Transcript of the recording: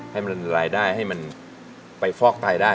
ให้มันรายได้ให้มันไปฟอกไตได้